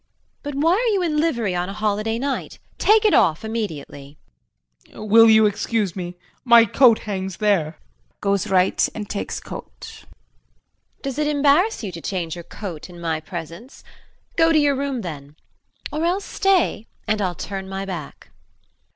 But why are you in livery on a holiday night? Take it off immediately. JEAN. Will you excuse me my coat hangs there. [Goes R. and takes coat.] JULIE. Does it embarrass you to change your coat in my presence? Go to your room then or else stay and I'll turn my back.